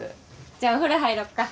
じゃあお風呂入ろっか。